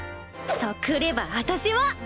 とくれば私は！